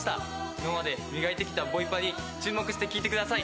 今まで磨いてきたボイパに注目して聴いてください。